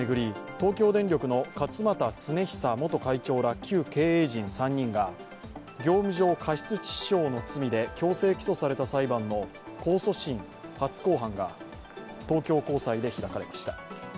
東京電力の勝俣恒久元会長ら旧経営陣３人が業務上過失致死傷の罪で強制起訴された裁判の控訴審初公判が東京高裁で開かれました。